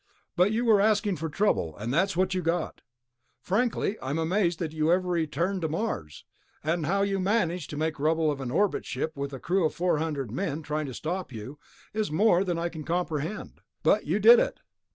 But you were asking for trouble, and that's what you got. Frankly, I am amazed that you ever returned to Mars, and how you managed to make rubble of an orbit ship with a crew of four hundred men trying to stop you is more than I can comprehend. But you did it.